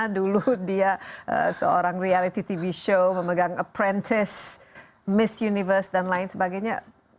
dulu dia seorang reality tv show pemegang apprentist miss universe dan lain sebagainya